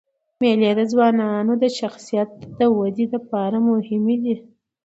مېلې د ځوانانو د شخصیت د ودي له پاره مهمي دي.